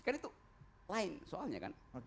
kan itu lain soalnya kan